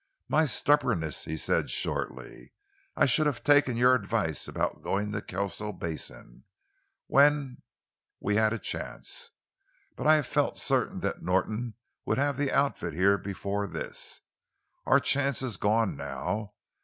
"My stubbornness," he said shortly. "I should have taken your advice about going to Kelso Basin—when we had a chance. But I felt certain that Norton would have the outfit here before this. Our chance is gone, now.